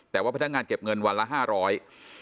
แต่ว่าพนักงานเก็บเงินวันละ๕๐๐บาท